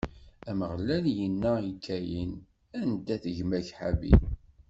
Ameɣlal inna i Kayin: Anda-t gma-k Habil?